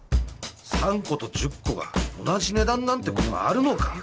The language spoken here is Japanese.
３個と１０個が同じ値段なんてことあるのか？